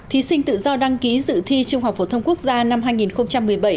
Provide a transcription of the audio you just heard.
thí sinh tự do đăng ký dự thi trung học phổ thông quốc gia năm hai nghìn một mươi bảy